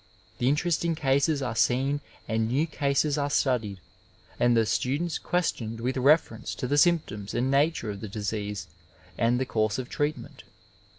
The interesting cases are seen and new cases are stadied, and the students questioned with reference to the symptoms and nature of the disease and the course of treatment.